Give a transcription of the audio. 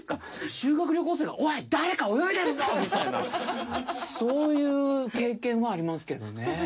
修学旅行生が「おい誰か泳いでるぞ！」みたいなそういう経験はありますけどね。